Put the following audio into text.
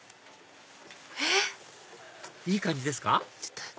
えっ⁉いい感じですか？